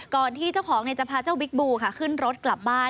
ที่เจ้าของจะพาเจ้าบิ๊กบูค่ะขึ้นรถกลับบ้าน